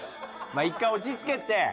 まあ１回落ち着けって。